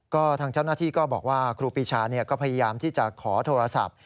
ก็ทางเจ้าหน้าที่ก็บอกว่าครูปีชาก็พยายามที่จะขอโทรศัพท์